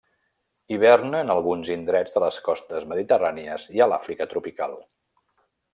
Hiverna en alguns indrets de les costes mediterrànies i a l'Àfrica tropical.